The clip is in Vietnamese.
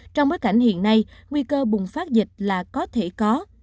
trong bối cảnh hiện nay nguy cơ bùng phát dịch là có thể có